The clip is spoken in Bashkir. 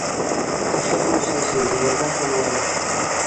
Ташла һин бизнесыңды, йырҙар ғына яҙ!